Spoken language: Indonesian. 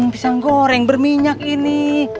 kamu bisa goreng berminyak ini